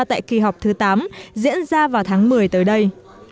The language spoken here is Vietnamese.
tại kỳ họp thứ tám diễn ra vào tháng một mươi tới đây